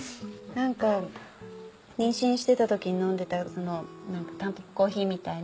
何か妊娠してた時に飲んでたたんぽぽ珈琲みたいな。